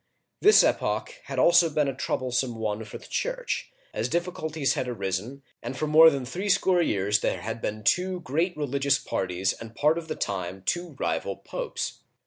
This epoch had also been a troublesome one for the Church, as difficulties had arisen, and for more than three score years there had been two great religious parties and part of the time two rival Popes.